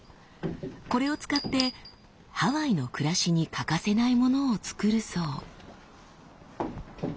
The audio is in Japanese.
これを使ってハワイの暮らしに欠かせないものを作るそう。